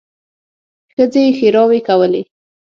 ښځې ښېراوې کولې.